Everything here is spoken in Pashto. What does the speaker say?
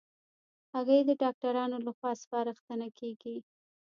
هګۍ د ډاکټرانو له خوا سپارښتنه کېږي.